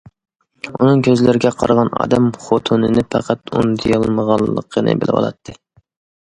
ئۇنىڭ كۆزلىرىگە قارىغان ئادەم خوتۇنىنى پەقەت ئۇنتۇيالمىغانلىقىنى بىلىۋالاتتى.